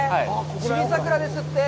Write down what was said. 散り桜ですって。